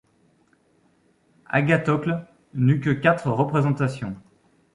Agathocle n’eut que quatre représentations.